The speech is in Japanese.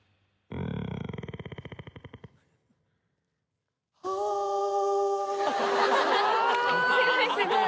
うわすごい。